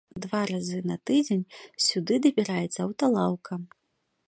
Два разы на тыдзень сюды дабіраецца аўталаўка.